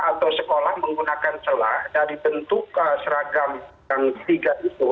atau sekolah menggunakan celah dari bentuk seragam yang tiga itu